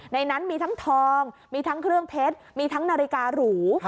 ในนั้นมีทั้งทองมีทั้งเครื่องเพชรมีทั้งนาฬิการู